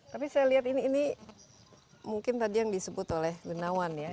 tapi saya lihat ini mungkin tadi yang disebut oleh gunawan ya